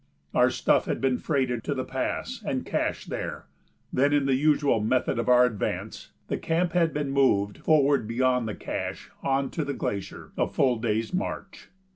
Our stuff had been freighted to the pass and cached there; then, in the usual method of our advance, the camp had been moved forward beyond the cache on to the glacier, a full day's march.